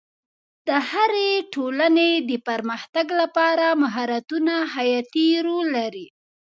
د هرې ټولنې د پرمختګ لپاره مهارتونه حیاتي رول لري.